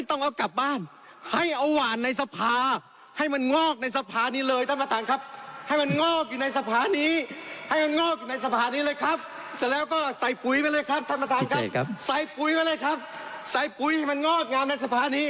โอ้โหหวานเลยคุณนัทธพงศ์